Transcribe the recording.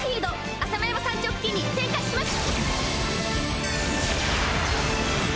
浅間山山頂付近に展開します！